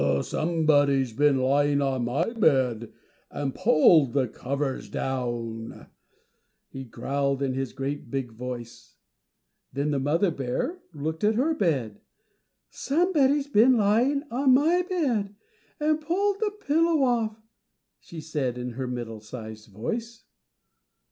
"SOMEBODY'S BEEN LYING ON MY BED AND PULLED THE COVERS DOWN," he growled in his great big voice. Then the mother bear looked at her bed. "+Somebody's been lying on my bed and pulled the pillow off+," said she in her middle sized voice.